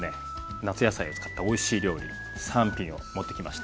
夏野菜を使ったおいしい料理３品を持ってきました。